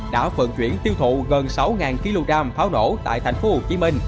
đã phận chuyển tiêu thụ gần sáu kg pháo nổ tại tp hcm